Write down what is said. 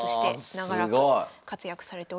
長らく活躍されておりました。